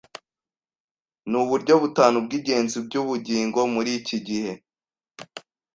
nuburyo butanu bwingenzi byubugingo muriki gihe